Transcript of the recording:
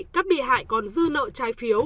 các bị hại còn dư nợ trái phiếu